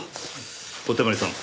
小手鞠さん